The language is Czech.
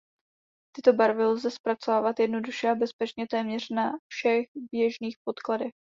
Tyto barvy lze zpracovávat jednoduše a bezpečně téměř na všech běžných podkladech.